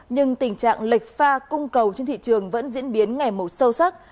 nhưng tình trạng lệch pha cung cầu trên thị trường vẫn diễn biến ngày một sâu sắc